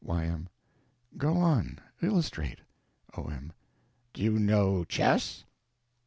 Y.M. Go on. Illustrate. O.M. Do you know chess?